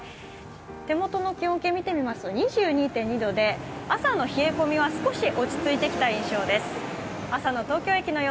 手元の気温計を見てみますと２２．２度で朝の冷え込みは少し落ち着いてきた印象です。